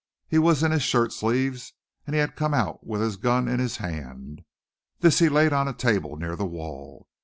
He was in his shirt sleeves and he had come out with a gun in his hand. This he laid on a table near the wall.